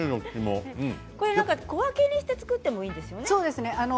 小分けにして作ってもいいんですよね。